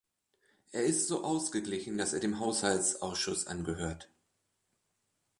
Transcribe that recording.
Er ist so ausgeglichen, dass er dem Haushaltsausschuss angehört.